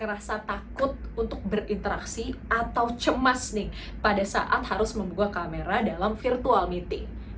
pernah nggak ngerasa takut untuk berinteraksi atau cemas pada saat harus membuka kamera dalam virtual meeting